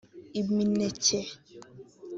Imineke